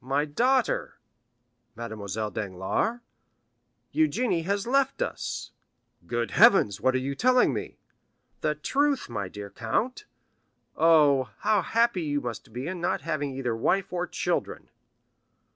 "My daughter——" "Mademoiselle Danglars?" "Eugénie has left us!" "Good heavens, what are you telling me?" "The truth, my dear count. Oh, how happy you must be in not having either wife or children!"